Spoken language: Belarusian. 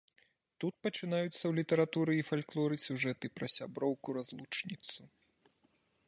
Тут пачынаюцца ў літаратуры і фальклоры сюжэты пра сяброўку-разлучніцу.